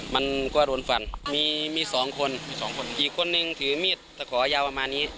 มันก็โดนฟันมีสองคนอีกคนนึงถือมีดสะขอยาวประมาณนี้